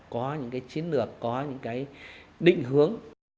có những cái chiến lược có những cái định hướng